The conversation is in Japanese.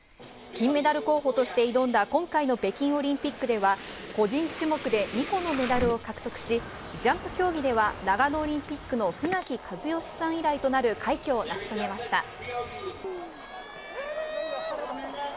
金メダル候補として挑んだ今回の北京オリンピックでは、個人種目で２個のメダルを獲得し、ジャンプ競技では長野オリンピックの船木和喜さん以来となる快挙を成し遂げました。